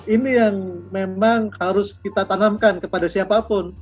ini yang memang harus kita tanamkan kepada siapapun